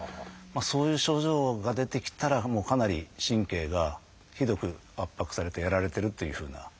そういう症状が出てきたらもうかなり神経がひどく圧迫されてやられてるっていうふうな。